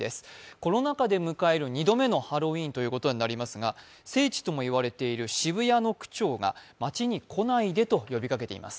コロナ禍で迎える２度目のハロウィーンですが聖地とも言われている渋谷の区長が街に来ないでと呼びかけています。